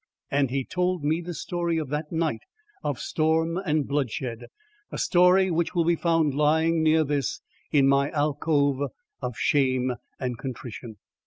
And he told me the story of that night of storm and bloodshed, a story which will be found lying near this, in my alcove of shame and contrition.